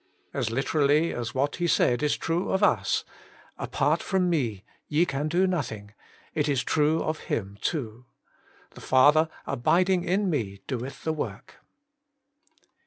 As literally as what He said is true of us, ' Apart from Me ye can do noth ing,' is it true of Him too. ' The Father abiding in Me doeth the work.'